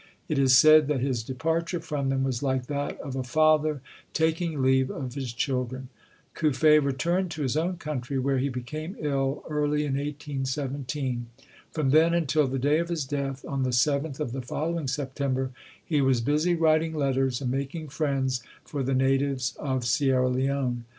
It is said that his departure from them was like that of a father taking leave of his children. Cuffe returned to his own country, where he became ill early in 1817. From then until the day of his death, on the seventh of the following Sep tember, he was busy writing letters and making friends for the natives of Sierra Leone.